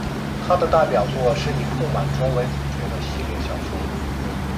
他的代表作是以傅满洲为主角的系列小说。